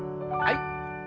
はい。